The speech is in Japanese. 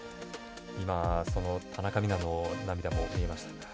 田中美南の涙も見えました。